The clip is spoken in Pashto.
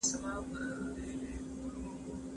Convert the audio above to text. ټولنیز بدلون د وخت له اړتیاوو راټوکېږي.